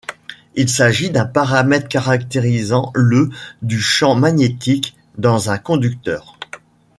Il s'agit d'un paramètre caractérisant le du champ magnétique dans un conducteur.